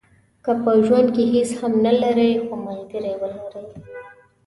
که په ژوند کې هیڅ هم نه لرئ خو ملګری ولرئ.